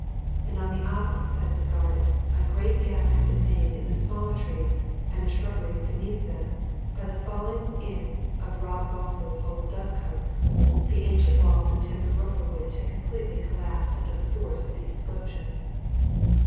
And on the opposite side of the garden a great gap had been made in the smaller trees, and the shrubberies beneath them by the falling in of Rob Walford's old dove cot, the ancient walls and timber roof of which had completely collapsed under the force of the explosion.